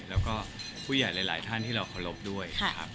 แล้วก็ผู้ใหญ่หลายท่านที่เราขอบโดย